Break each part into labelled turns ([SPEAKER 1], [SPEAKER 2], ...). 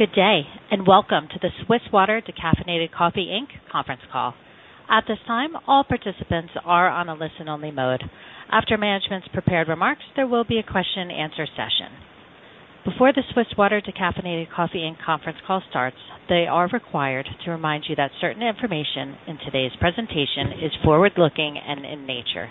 [SPEAKER 1] Good day, and welcome to the Swiss Water Decaffeinated Coffee Inc. conference call. At this time, all participants are on a listen-only mode. After management's prepared remarks, there will be a question and answer session. Before the Swiss Water Decaffeinated Coffee Inc. conference call starts, they are required to remind you that certain information in today's presentation is forward-looking in nature.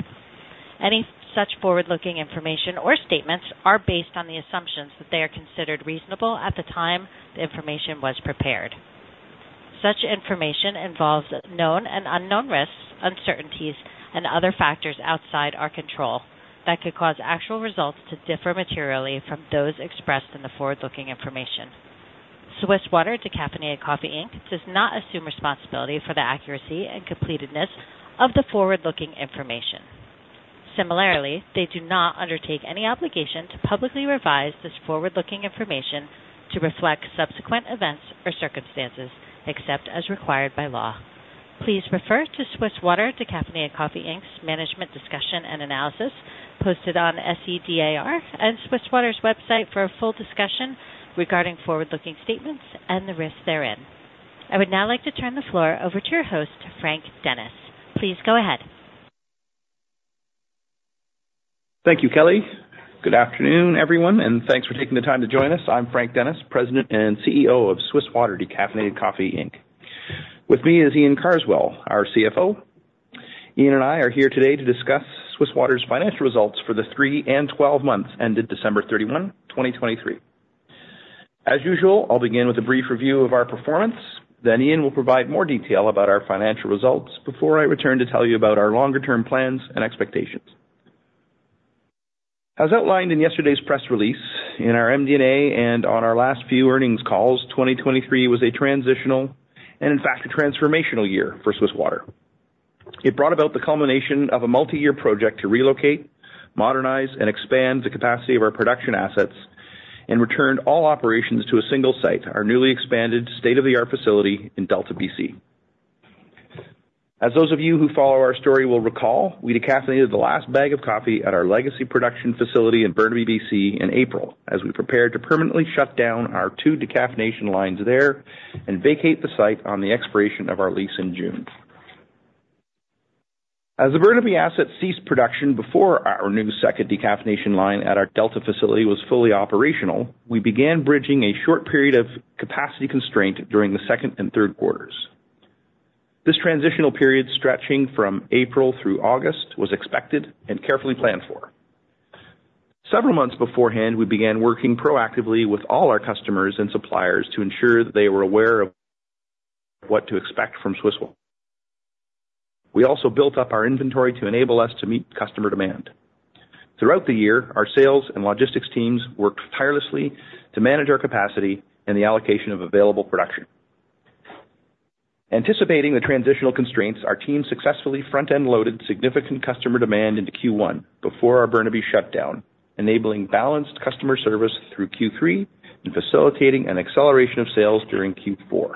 [SPEAKER 1] Any such forward-looking information or statements are based on the assumptions that they are considered reasonable at the time the information was prepared. Such information involves known and unknown risks, uncertainties, and other factors outside our control that could cause actual results to differ materially from those expressed in the forward-looking information. Swiss Water Decaffeinated Coffee Inc. does not assume responsibility for the accuracy and completeness of the forward-looking information. Similarly, they do not undertake any obligation to publicly revise this forward-looking information to reflect subsequent events or circumstances, except as required by law. Please refer to Swiss Water Decaffeinated Coffee, Inc.'s Management's Discussion and Analysis, posted on SEDAR and Swiss Water's website for a full discussion regarding forward-looking statements and the risks therein. I would now like to turn the floor over to your host, Frank Dennis. Please go ahead.
[SPEAKER 2] Thank you, Kelly. Good afternoon, everyone, and thanks for taking the time to join us. I'm Frank Dennis, President and CEO of Swiss Water Decaffeinated Coffee Inc. With me is Iain Carswell, our CFO. Iain and I are here today to discuss Swiss Water's financial results for the three and twelve months ended December 31, 2023. As usual, I'll begin with a brief review of our performance, then Iain will provide more detail about our financial results before I return to tell you about our longer-term plans and expectations. As outlined in yesterday's press release, in our MD&A, and on our last few earnings calls, 2023 was a transitional and, in fact, a transformational year for Swiss Water. It brought about the culmination of a multi-year project to relocate, modernize, and expand the capacity of our production assets and returned all operations to a single site, our newly expanded state-of-the-art facility in Delta, BC. As those of you who follow our story will recall, we decaffeinated the last bag of coffee at our legacy production facility in Burnaby, BC, in April, as we prepared to permanently shut down our two decaffeination lines there and vacate the site on the expiration of our lease in June. As the Burnaby asset ceased production before our new second decaffeination line at our Delta facility was fully operational, we began bridging a short period of capacity constraint during the second and third quarters. This transitional period, stretching from April through August, was expected and carefully planned for. Several months beforehand, we began working proactively with all our customers and suppliers to ensure that they were aware of what to expect from Swiss Water. We also built up our inventory to enable us to meet customer demand. Throughout the year, our sales and logistics teams worked tirelessly to manage our capacity and the allocation of available production. Anticipating the transitional constraints, our team successfully front-end loaded significant customer demand into Q1 before our Burnaby shutdown, enabling balanced customer service through Q3 and facilitating an acceleration of sales during Q4.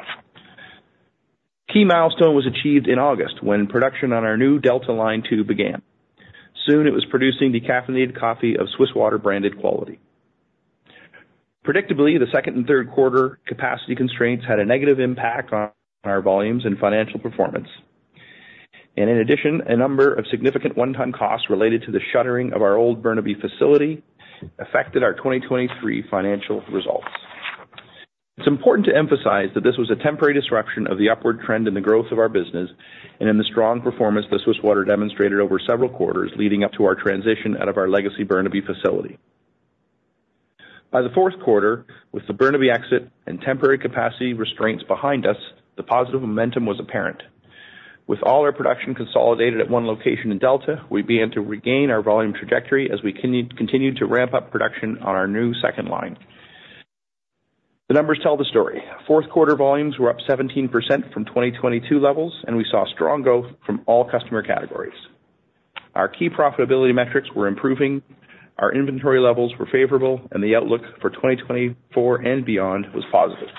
[SPEAKER 2] Key milestone was achieved in August, when production on our new Delta line two began. Soon, it was producing decaffeinated coffee of Swiss Water-branded quality. Predictably, the second and third quarter capacity constraints had a negative impact on our volumes and financial performance. In addition, a number of significant one-time costs related to the shuttering of our old Burnaby facility affected our 2023 financial results. It's important to emphasize that this was a temporary disruption of the upward trend in the growth of our business and in the strong performance that Swiss Water demonstrated over several quarters leading up to our transition out of our legacy Burnaby facility. By the fourth quarter, with the Burnaby exit and temporary capacity restraints behind us, the positive momentum was apparent. With all our production consolidated at one location in Delta, we began to regain our volume trajectory as we continued to ramp up production on our new second line. The numbers tell the story. Fourth quarter volumes were up 17% from 2022 levels, and we saw strong growth from all customer categories. Our key profitability metrics were improving, our inventory levels were favorable, and the outlook for 2024 and beyond was positive.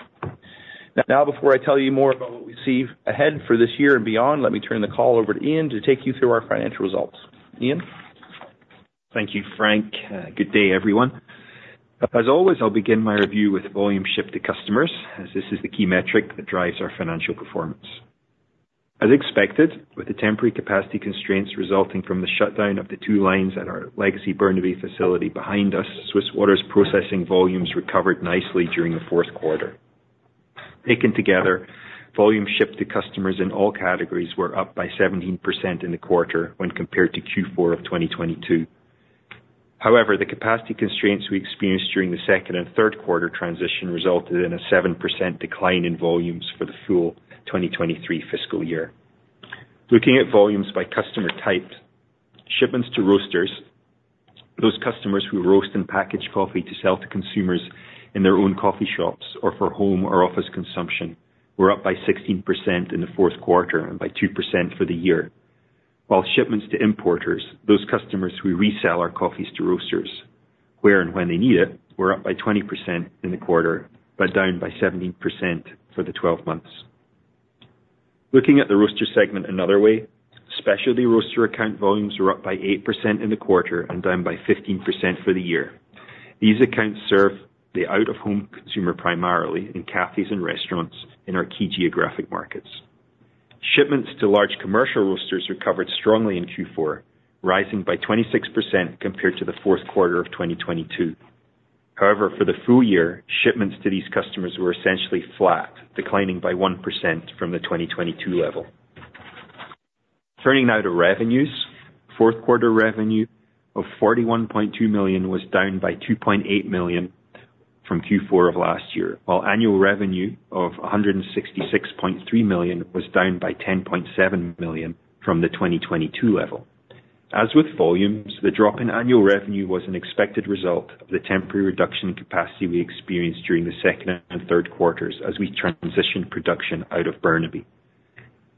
[SPEAKER 2] Now, before I tell you more about what we see ahead for this year and beyond, let me turn the call over to Iain to take you through our financial results. Iain?
[SPEAKER 3] Thank you, Frank. Good day, everyone. As always, I'll begin my review with volume shipped to customers, as this is the key metric that drives our financial performance. As expected, with the temporary capacity constraints resulting from the shutdown of the two lines at our legacy Burnaby facility behind us, Swiss Water's processing volumes recovered nicely during the fourth quarter. Taken together, volume shipped to customers in all categories were up by 17% in the quarter when compared to Q4 of 2022. However, the capacity constraints we experienced during the second and third quarter transition resulted in a 7% decline in volumes for the full 2023 fiscal year. Looking at volumes by customer type, shipments to roasters, those customers who roast and package coffee to sell to consumers in their own coffee shops or for home or office consumption, were up by 16% in the fourth quarter and by 2% for the year. While shipments to importers, those customers who resell our coffees to roasters, where and when they need it, were up by 20% in the quarter, but down by 17% for the twelve months. Looking at the roaster segment another way, specialty roaster account volumes were up by 8% in the quarter and down by 15% for the year. These accounts serve the out-of-home consumer, primarily in cafes and restaurants in our key geographic markets. Shipments to large commercial roasters recovered strongly in Q4, rising by 26% compared to the fourth quarter of 2022. However, for the full year, shipments to these customers were essentially flat, declining by 1% from the 2022 level. Turning now to revenues. Fourth quarter revenue of 41.2 million was down by 2.8 million from Q4 of last year, while annual revenue of 166.3 million was down by 10.7 million from the 2022 level. As with volumes, the drop in annual revenue was an expected result of the temporary reduction in capacity we experienced during the second and third quarters as we transitioned production out of Burnaby.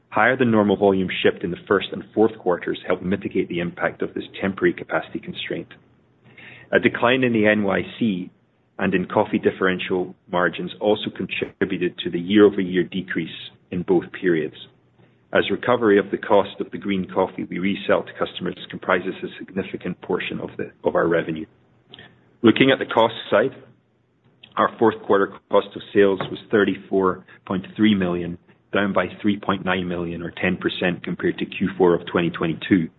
[SPEAKER 3] Higher than normal volume shipped in the first and fourth quarters helped mitigate the impact of this temporary capacity constraint. A decline in the New York C and in coffee differential margins also contributed to the year-over-year decrease in both periods. As recovery of the cost of the green coffee we resell to customers comprises a significant portion of our revenue. Looking at the cost side, our fourth quarter cost of sales was 34.3 million, down by 3.9 million, or 10% compared to Q4 of 2022.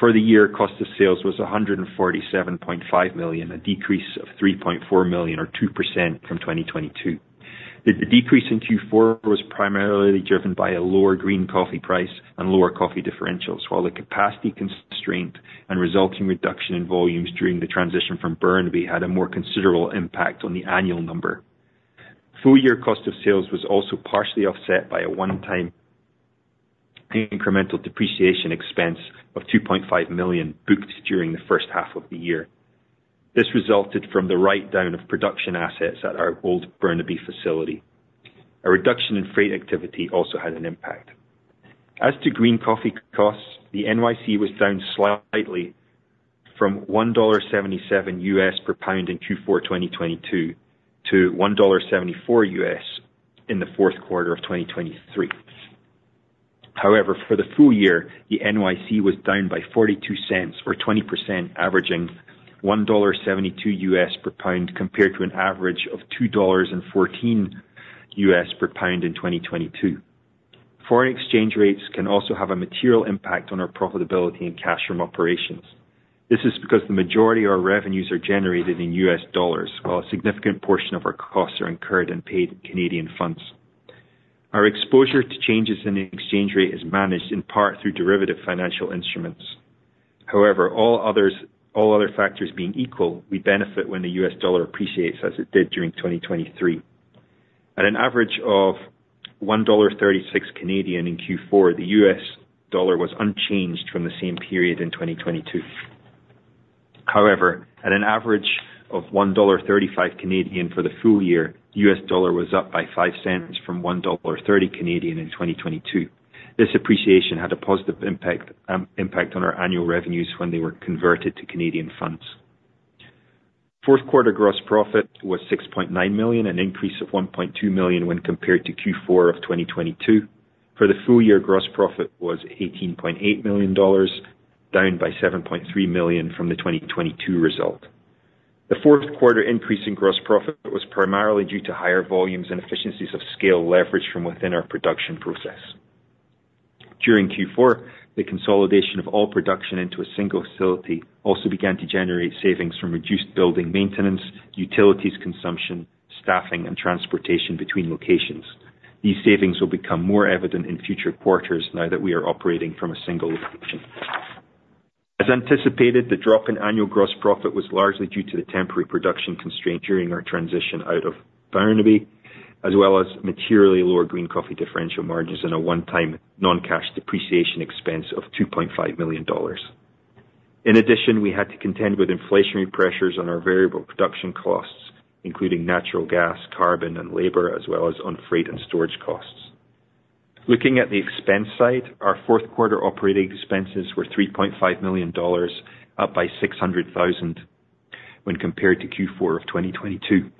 [SPEAKER 3] For the year, cost of sales was 147.5 million, a decrease of 3.4 million, or 2% from 2022. The decrease in Q4 was primarily driven by a lower green coffee price and lower coffee differentials, while the capacity constraint and resulting reduction in volumes during the transition from Burnaby had a more considerable impact on the annual number. Full year cost of sales was also partially offset by a one-time incremental depreciation expense of 2.5 million, booked during the first half of the year. This resulted from the write-down of production assets at our old Burnaby facility. A reduction in freight activity also had an impact. As to green coffee costs, the New York C was down slightly from $1.77 per pound in Q4 2022 to $1.74 in the fourth quarter of 2023. However, for the full year, the NewYork C was down by $0.42, or 20%, averaging $1.72 per pound, compared to an average of $2.14 per pound in 2022. Foreign exchange rates can also have a material impact on our profitability and cash from operations. This is because the majority of our revenues are generated in U.S. dollars, while a significant portion of our costs are incurred and paid in Canadian funds. Our exposure to changes in the exchange rate is managed in part through derivative financial instruments. However, all other factors being equal, we benefit when the US dollar appreciates, as it did during 2023. At an average of 1.36 Canadian dollars in Q4, the US dollar was unchanged from the same period in 2022. However, at an average of 1.35 Canadian for the full year, the US dollar was up by 0.50 from 1.30 Canadian dollars in 2022. This appreciation had a positive impact on our annual revenues when they were converted to Canadian funds. Fourth quarter gross profit was 6.9 million, an increase of 1.2 million when compared to Q4 of 2022. For the full year, gross profit was 18.8 million dollars, down by 7.3 million from the 2022 result. The fourth quarter increase in gross profit was primarily due to higher volumes and efficiencies of scale leverage from within our production process. During Q4, the consolidation of all production into a single facility also began to generate savings from reduced building maintenance, utilities consumption, staffing, and transportation between locations. These savings will become more evident in future quarters now that we are operating from a single location. As anticipated, the drop in annual gross profit was largely due to the temporary production constraint during our transition out of Burnaby, as well as materially lower green coffee differential margins and a one-time non-cash depreciation expense of 2.5 million dollars. In addition, we had to contend with inflationary pressures on our variable production costs, including natural gas, carbon, and labor, as well as on freight and storage costs. Looking at the expense side, our fourth quarter operating expenses were 3.5 million dollars, up by 600,000 when compared to Q4 of 2022.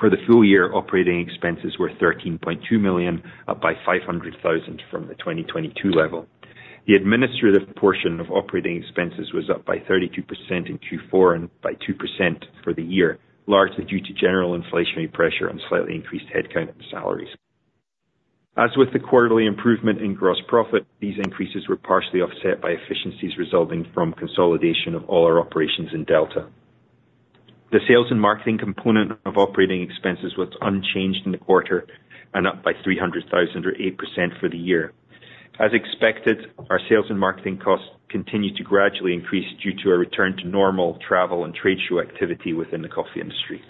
[SPEAKER 3] For the full year, operating expenses were 13.2 million, up by 500,000 from the 2022 level. The administrative portion of operating expenses was up by 32% in Q4, and by 2% for the year, largely due to general inflationary pressure and slightly increased headcount and salaries. As with the quarterly improvement in gross profit, these increases were partially offset by efficiencies resulting from consolidation of all our operations in Delta. The sales and marketing component of operating expenses was unchanged in the quarter and up by 300,000, or 8% for the year. As expected, our sales and marketing costs continued to gradually increase due to a return to normal travel and trade show activity within the coffee industry.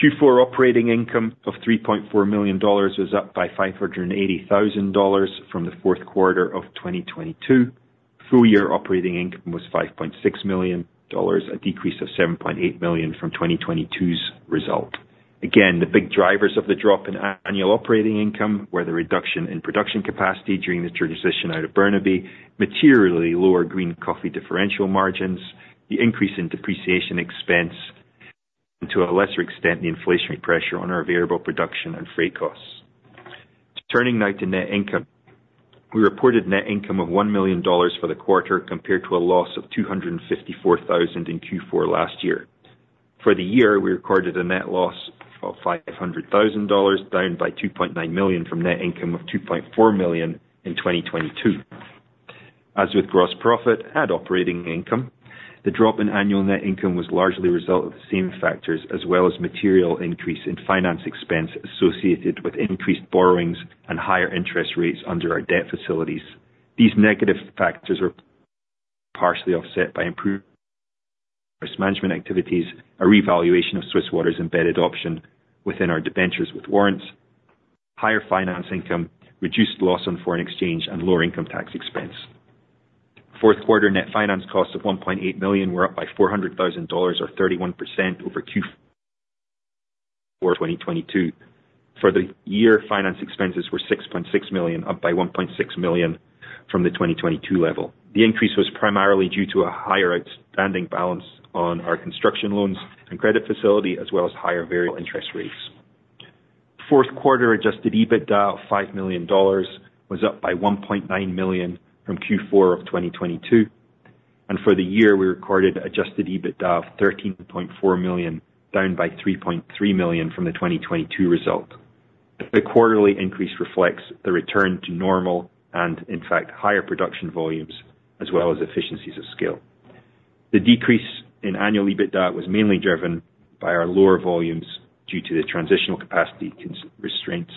[SPEAKER 3] Q4 operating income of 3.4 million dollars was up by 580,000 dollars from the fourth quarter of 2022. Full year operating income was 5.6 million dollars, a decrease of 7.8 million from 2022's result. Again, the big drivers of the drop in annual operating income were the reduction in production capacity during the transition out of Burnaby, materially lower green coffee differential margins, the increase in depreciation expense, and to a lesser extent, the inflationary pressure on our variable production and freight costs. Turning now to net income. We reported net income of CAD $1 million for the quarter, compared to a loss of CAD $254,000 in Q4 last year. For the year, we recorded a net loss of CAD $500,000, down by CAD $2.9 million from net income of CAD $2.4 million in 2022. As with gross profit and operating income, the drop in annual net income was largely a result of the same factors, as well as material increase in finance expense associated with increased borrowings and higher interest rates under our debt facilities. These negative factors were partially offset by improved risk management activities, a revaluation of Swiss Water's embedded option within our debentures with warrants, higher finance income, reduced loss on foreign exchange, and lower income tax expense. Fourth quarter net finance costs of 1.8 million were up by 400,000 dollars, or 31% over Q4 2022. For the year, finance expenses were 6.6 million, up by 1.6 million from the 2022 level. The increase was primarily due to a higher outstanding balance on our construction loans and credit facility, as well as higher variable interest rates. Fourth quarter adjusted EBITDA of 5 million dollars was up by 1.9 million from Q4 of 2022, and for the year, we recorded adjusted EBITDA of 13.4 million, down by 3.3 million from the 2022 result. The quarterly increase reflects the return to normal and in fact, higher production volumes as well as efficiencies of scale. The decrease in annual EBITDA was mainly driven by our lower volumes due to the transitional capacity constraints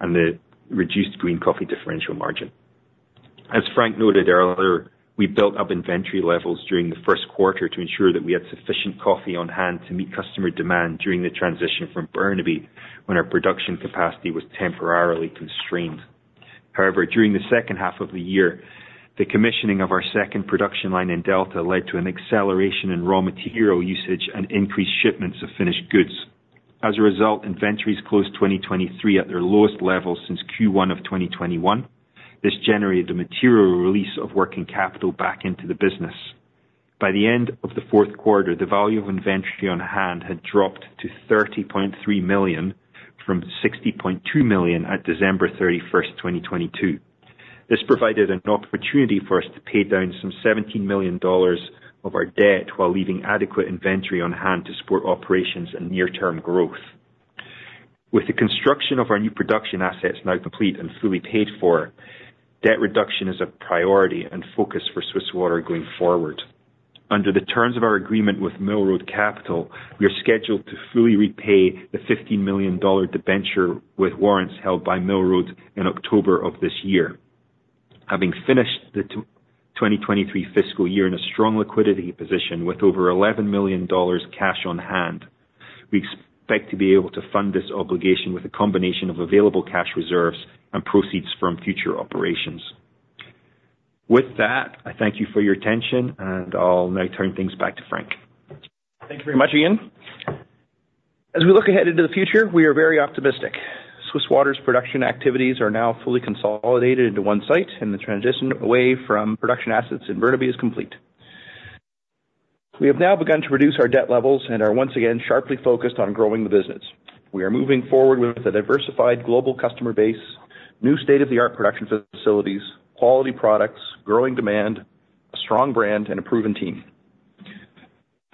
[SPEAKER 3] and the reduced green coffee differential margin. As Frank noted earlier, we built up inventory levels during the first quarter to ensure that we had sufficient coffee on hand to meet customer demand during the transition from Burnaby, when our production capacity was temporarily constrained. However, during the second half of the year, the commissioning of our second production line in Delta led to an acceleration in raw material usage and increased shipments of finished goods. As a result, inventories closed 2023 at their lowest level since Q1 of 2021. This generated a material release of working capital back into the business. By the end of the fourth quarter, the value of inventory on hand had dropped to $30.3 million, from $60.2 million at December 31, 2022. This provided an opportunity for us to pay down some $17 million of our debt, while leaving adequate inventory on hand to support operations and near-term growth. With the construction of our new production assets now complete and fully paid for, debt reduction is a priority and focus for Swiss Water going forward. Under the terms of our agreement with Mill Road Capital, we are scheduled to fully repay the $15 million debenture, with warrants held by Mill Road in October of this year. Having finished the 2023 fiscal year in a strong liquidity position with over 11 million dollars cash on hand, we expect to be able to fund this obligation with a combination of available cash reserves and proceeds from future operations. With that, I thank you for your attention, and I'll now turn things back to Frank.
[SPEAKER 2] Thank you very much, Iain. As we look ahead into the future, we are very optimistic. Swiss Water's production activities are now fully consolidated into one site, and the transition away from production assets in Burnaby is complete. We have now begun to reduce our debt levels and are once again sharply focused on growing the business. We are moving forward with a diversified global customer base, new state-of-the-art production facilities, quality products, growing demand, a strong brand and a proven team.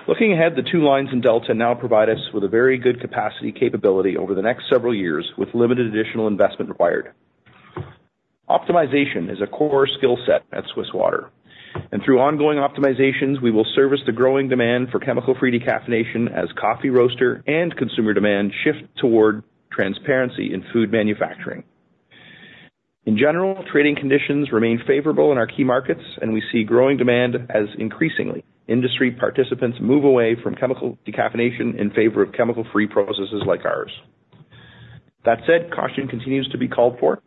[SPEAKER 2] Looking ahead, the two lines in Delta now provide us with a very good capacity capability over the next several years, with limited additional investment required. Optimization is a core skill set at Swiss Water, and through ongoing optimizations, we will service the growing demand for chemical-free decaffeination, as coffee roaster and consumer demand shift toward transparency in food manufacturing. In general, trading conditions remain favorable in our key markets, and we see growing demand as increasingly industry participants move away from chemical decaffeination in favor of chemical-free processes like ours. That said, caution continues to be called for.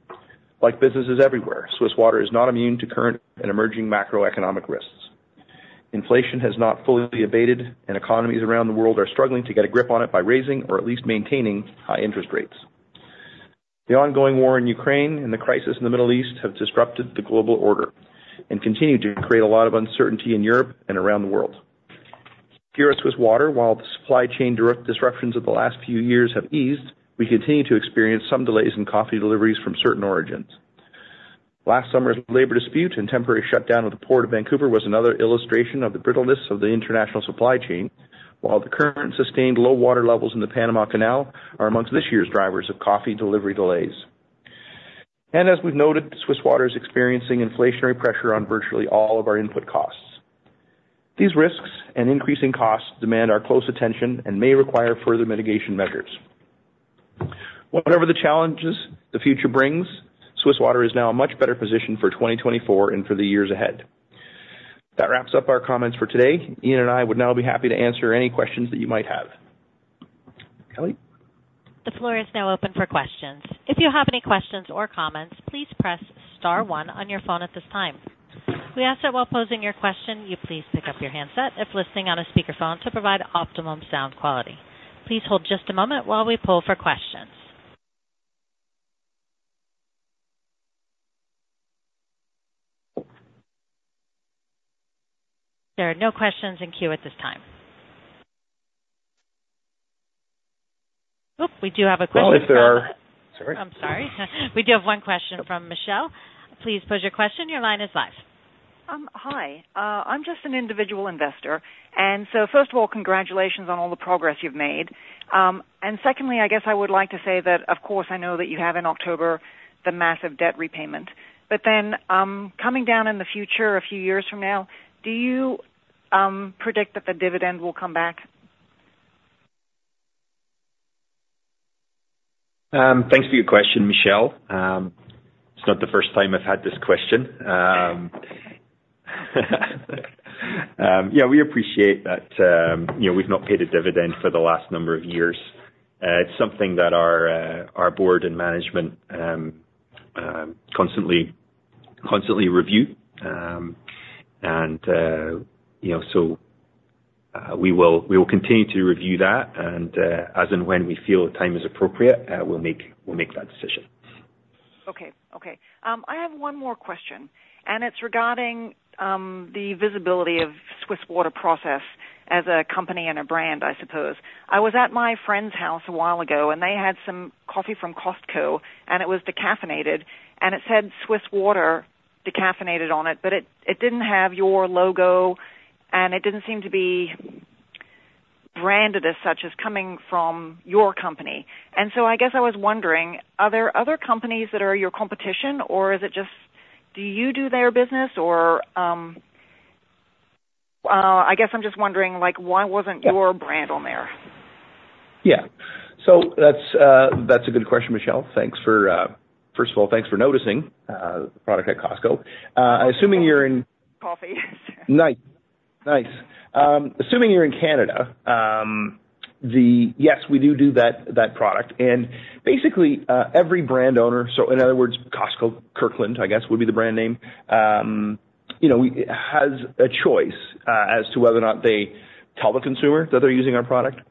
[SPEAKER 2] Like businesses everywhere, Swiss Water is not immune to current and emerging macroeconomic risks. Inflation has not fully abated, and economies around the world are struggling to get a grip on it by raising or at least maintaining high interest rates. The ongoing war in Ukraine and the crisis in the Middle East have disrupted the global order and continued to create a lot of uncertainty in Europe and around the world. Here at Swiss Water, while the supply chain disruptions of the last few years have eased, we continue to experience some delays in coffee deliveries from certain origins. Last summer's labor dispute and temporary shutdown of the Port of Vancouver was another illustration of the brittleness of the international supply chain. While the current sustained low water levels in the Panama Canal are among this year's drivers of coffee delivery delays. As we've noted, Swiss Water is experiencing inflationary pressure on virtually all of our input costs. These risks and increasing costs demand our close attention and may require further mitigation measures. Whatever the challenges the future brings, Swiss Water is now in a much better position for 2024 and for the years ahead. That wraps up our comments for today. Iain and I would now be happy to answer any questions that you might have. Kelly?
[SPEAKER 1] The floor is now open for questions. If you have any questions or comments, please press star one on your phone at this time. We ask that while posing your question, you please pick up your handset if listening on a speakerphone, to provide optimum sound quality. Please hold just a moment while we pull for questions. There are no questions in queue at this time. Oop, we do have a question.
[SPEAKER 2] Well, if there are...
[SPEAKER 1] Sorry. I'm sorry. We do have one question from Michelle. Please pose your question. Your line is live.
[SPEAKER 4] Hi. I'm just an individual investor, and so first of all, congratulations on all the progress you've made. And secondly, I guess I would like to say that, of course, I know that you have in October the massive debt repayment, but then, coming down in the future, a few years from now, do you predict that the dividend will come back?
[SPEAKER 2] Thanks for your question, Michelle. It's not the first time I've had this question. Yeah, we appreciate that, you know, we've not paid a dividend for the last number of years. It's something that our board and management constantly review. And, you know, so, we will continue to review that, and, as and when we feel the time is appropriate, we'll make that decision.
[SPEAKER 4] Okay. Okay, I have one more question, and it's regarding the visibility of Swiss Water Process as a company and a brand, I suppose. I was at my friend's house a while ago, and they had some coffee from Costco, and it was decaffeinated, and it said Swiss Water Decaffeinated on it, but it, it didn't have your logo, and it didn't seem to be branded as such as coming from your company. And so I guess I was wondering, are there other companies that are your competition, or is it just, do you do their business or, I guess I'm just wondering, like, why wasn't your brand on there?
[SPEAKER 2] Yeah. So that's, that's a good question, Michelle. Thanks for, first of all, thanks for noticing, the product at Costco. Assuming you're in- Coffee. Nice. Nice. Assuming you're in Canada, yes, we do do that, that product, and basically, every brand owner, so in other words, Costco, Kirkland, I guess, would be the brand name, you know, we, has a choice, as to whether or not they tell the consumer that they're using our product,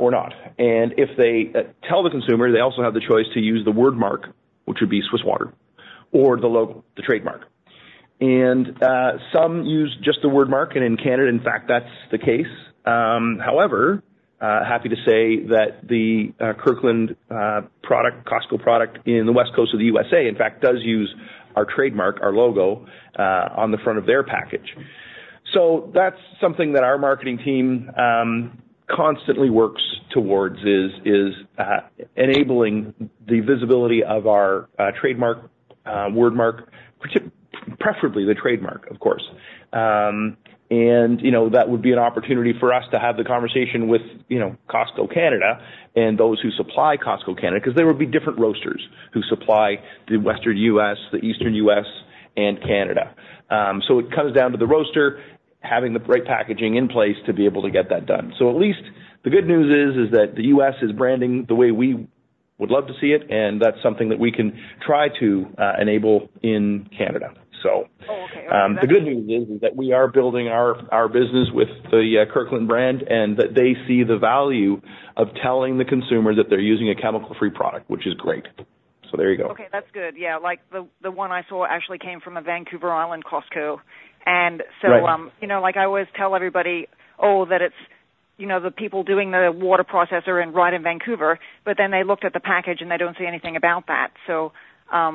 [SPEAKER 2] or not. And if they, tell the consumer, they also have the choice to use the word mark, which would be Swiss Water, or the logo, the trademark. And, some use just the word mark, and in Canada, in fact, that's the case. However, happy to say that the, Kirkland, product, Costco product in the West Coast of the USA, in fact, does use our trademark, our logo, on the front of their package. So that's something that our marketing team constantly works towards, is enabling the visibility of our trademark word mark, preferably the trademark, of course. And, you know, that would be an opportunity for us to have the conversation with, you know, Costco Canada and those who supply Costco Canada, 'cause there would be different roasters who supply the Western U.S., the Eastern U.S., and Canada. So it comes down to the roaster having the right packaging in place to be able to get that done. So at least the good news is that the U.S. is branding the way we would love to see it, and that's something that we can try to enable in Canada. So-
[SPEAKER 4] Oh, okay.
[SPEAKER 2] The good news is that we are building our business with the Kirkland brand, and that they see the value of telling the consumer that they're using a chemical-free product, which is great. So there you go.
[SPEAKER 4] Okay, that's good. Yeah, like, the one I saw actually came from a Vancouver Island Costco.
[SPEAKER 2] Right.
[SPEAKER 4] So, you know, like I always tell everybody, "Oh, that it's, you know, the people doing the water process or right in Vancouver," but then they looked at the package, and they don't see anything about that. So, I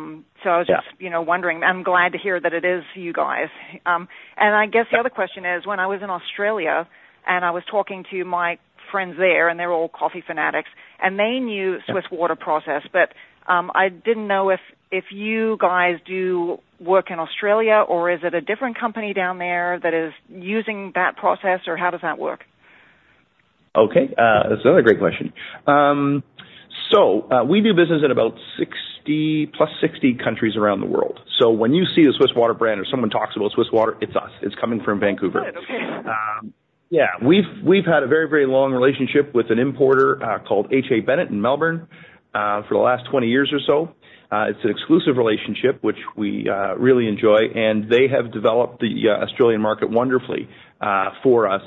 [SPEAKER 4] was just-
[SPEAKER 2] Yeah...
[SPEAKER 4] you know, wondering. I'm glad to hear that it is you guys. And I guess the other question is, when I was in Australia, and I was talking to my friends there, and they're all coffee fanatics, and they knew Swiss Water Process, but, I didn't know if you guys do work in Australia or is it a different company down there that is using that process or how does that work?
[SPEAKER 2] Okay, that's another great question. We do business in about 60+ countries around the world. So when you see the Swiss Water brand or someone talks about Swiss Water, it's us. It's coming from Vancouver.
[SPEAKER 4] Oh, okay.
[SPEAKER 2] Yeah. We've had a very, very long relationship with an importer called H.A. Bennett in Melbourne for the last 20 years or so. It's an exclusive relationship, which we really enjoy, and they have developed the Australian market wonderfully for us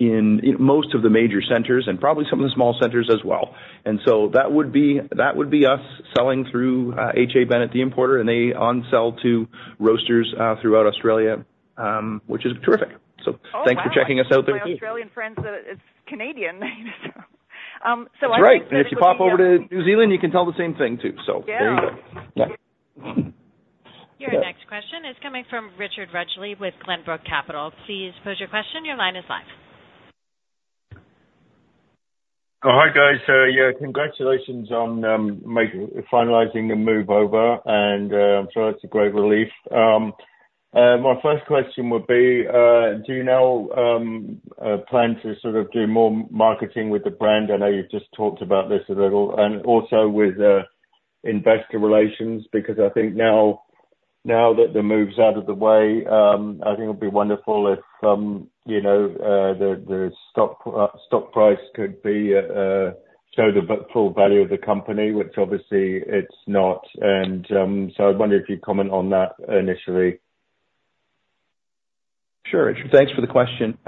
[SPEAKER 2] in most of the major centers and probably some of the small centers as well. So that would be us selling through H.A. Bennett, the importer, and they on-sell to roasters throughout Australia, which is terrific.
[SPEAKER 4] Oh, wow!
[SPEAKER 2] Thanks for checking us out there.
[SPEAKER 4] My Australian friends, it's Canadian. So I-
[SPEAKER 2] That's right. And if you pop over to New Zealand, you can tell the same thing, too.
[SPEAKER 4] Yeah.
[SPEAKER 2] So there you go. Yeah.
[SPEAKER 1] Your next question is coming from Richard Rudgley with Glenbrook Capital. Please pose your question. Your line is live.
[SPEAKER 5] Hi, guys. Yeah, congratulations on finalizing the move over, and I'm sure that's a great relief. My first question would be, do you now plan to sort of do more marketing with the brand? I know you've just talked about this a little, and also with investor relations, because I think now that the move's out of the way, I think it would be wonderful if, you know, the stock price could show the full value of the company, which obviously it's not. So I wonder if you'd comment on that initially....
[SPEAKER 2] Sure, Richard, thanks for the question.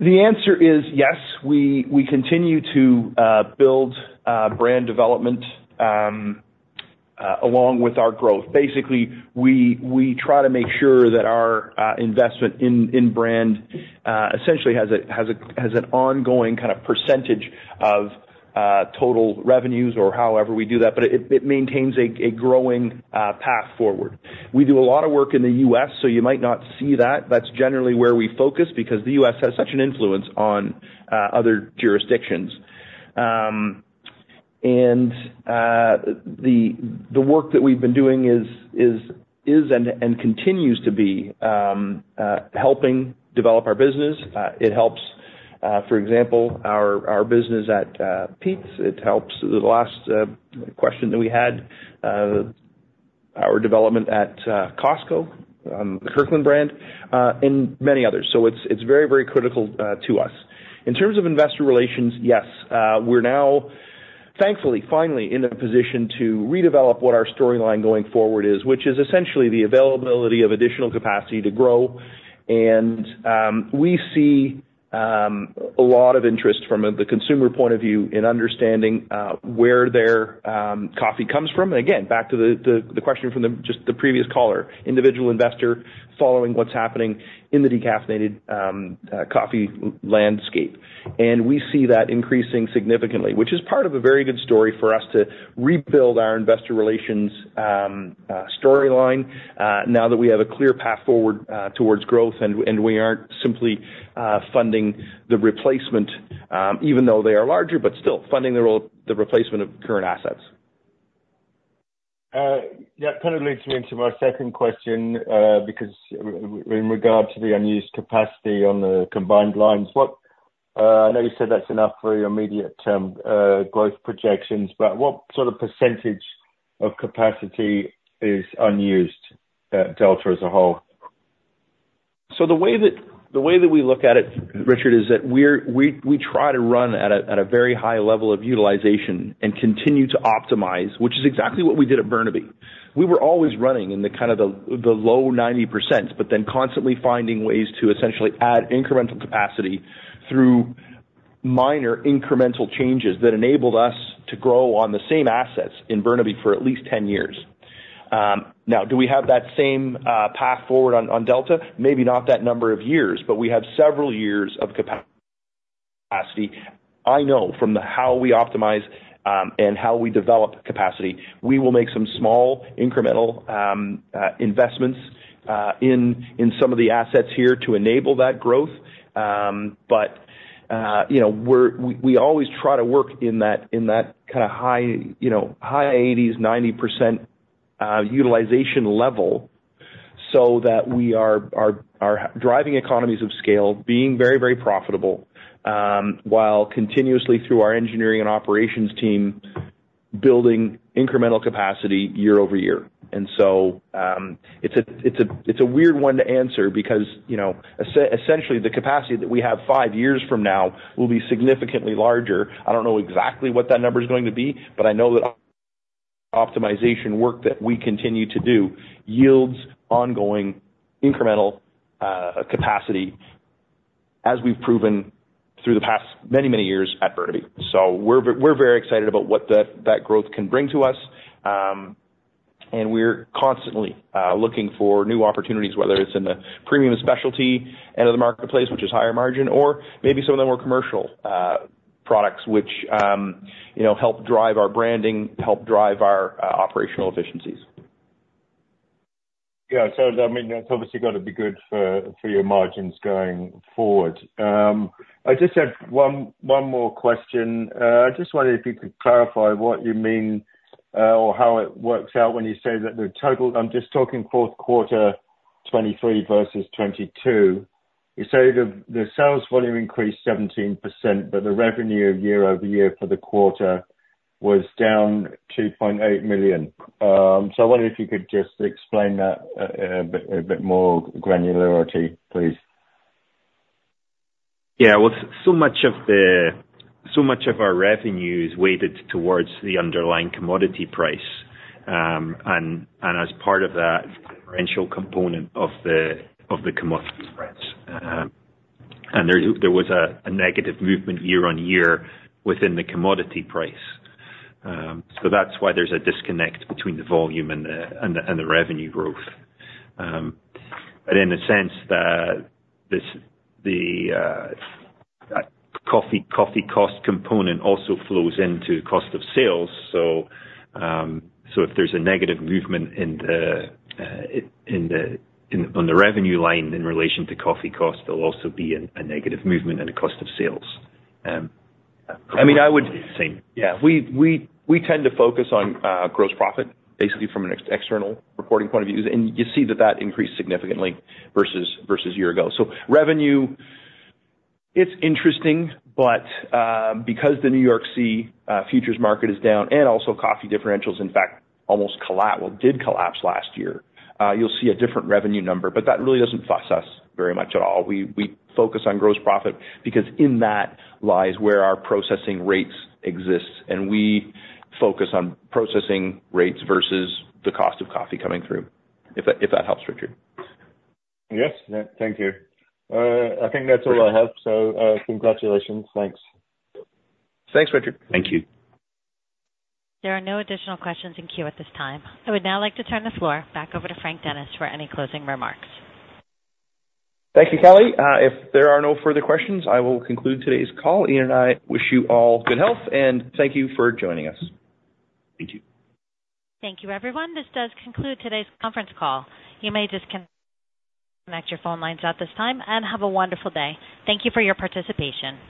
[SPEAKER 2] The answer is yes, we continue to build brand development along with our growth. Basically, we try to make sure that our investment in brand essentially has an ongoing kind of percentage of total revenues or however we do that, but it maintains a growing path forward. We do a lot of work in the U.S., so you might not see that. That's generally where we focus, because the U.S. has such an influence on other jurisdictions. And the work that we've been doing is and continues to be helping develop our business. It helps, for example, our business at Peet's. It helps, the last question that we had, our development at Costco, Kirkland brand, and many others. So it's very, very critical to us. In terms of investor relations, yes, we're now thankfully, finally in a position to redevelop what our storyline going forward is, which is essentially the availability of additional capacity to grow. And we see a lot of interest from the consumer point of view in understanding where their coffee comes from. And again, back to the question from just the previous caller, individual investor following what's happening in the decaffeinated coffee landscape. And we see that increasing significantly, which is part of a very good story for us to rebuild our investor relations storyline, now that we have a clear path forward towards growth, and we aren't simply funding the replacement, even though they are larger, but still funding the role, the replacement of current assets.
[SPEAKER 5] Yeah, kind of leads me into my second question, because in regard to the unused capacity on the combined lines, what... I know you said that's enough for your immediate term, growth projections, but what sort of percentage of capacity is unused at Delta as a whole?
[SPEAKER 2] So the way that we look at it, Richard, is that we try to run at a very high level of utilization and continue to optimize, which is exactly what we did at Burnaby. We were always running in the low 90%, but then constantly finding ways to essentially add incremental capacity through minor incremental changes that enabled us to grow on the same assets in Burnaby for at least 10 years. Now, do we have that same path forward on Delta? Maybe not that number of years, but we have several years of capacity. I know from how we optimize and how we develop capacity, we will make some small incremental investments in some of the assets here to enable that growth. But, you know, we're, we always try to work in that kind of high 80s, 90% utilization level, so that we are driving economies of scale, being very, very profitable, while continuously through our engineering and operations team, building incremental capacity year-over-year. And so, it's a weird one to answer because, you know, essentially, the capacity that we have 5 years from now will be significantly larger. I don't know exactly what that number is going to be, but I know that optimization work that we continue to do yields ongoing incremental capacity, as we've proven through the past many, many years at Burnaby. So we're very excited about what that growth can bring to us. We're constantly looking for new opportunities, whether it's in the premium specialty end of the marketplace, which is higher margin, or maybe some of the more commercial products which, you know, help drive our branding, help drive our operational efficiencies.
[SPEAKER 5] Yeah. So, I mean, that's obviously got to be good for your margins going forward. I just had one more question. I just wondered if you could clarify what you mean or how it works out when you say that the total... I'm just talking fourth quarter 2023 versus 2022. You say the sales volume increased 17%, but the revenue year-over-year for the quarter was down 2.8 million. So I wonder if you could just explain that a bit more granularity, please.
[SPEAKER 3] Yeah. Well, so much of our revenue is weighted towards the underlying commodity price. And as part of that differential component of the commodity price, there was a negative movement year-over-year within the commodity price. So that's why there's a disconnect between the volume and the revenue growth. But in a sense, this coffee cost component also flows into cost of sales, so if there's a negative movement on the revenue line in relation to coffee cost, there'll be a negative movement in cost of sales.
[SPEAKER 2] I mean, I would-
[SPEAKER 3] Same.
[SPEAKER 2] Yeah, we tend to focus on gross profit, basically from an external reporting point of view. You see that increased significantly versus year ago. So revenue, it's interesting, but because the New York C futures market is down and also coffee differentials, in fact, almost did collapse last year, you'll see a different revenue number, but that really doesn't fuss us very much at all. We focus on gross profit because in that lies where our processing rates exist, and we focus on processing rates versus the cost of coffee coming through, if that helps, Richard.
[SPEAKER 5] Yes. Yeah, thank you. I think that's all I have. So, congratulations. Thanks.
[SPEAKER 2] Thanks, Richard.
[SPEAKER 3] Thank you.
[SPEAKER 1] There are no additional questions in queue at this time. I would now like to turn the floor back over to Frank Dennis for any closing remarks.
[SPEAKER 2] Thank you, Kelly. If there are no further questions, I will conclude today's call. Iain and I wish you all good health, and thank you for joining us.
[SPEAKER 3] Thank you.
[SPEAKER 1] Thank you, everyone. This does conclude today's conference call. You may disconnect your phone lines at this time and have a wonderful day. Thank you for your participation.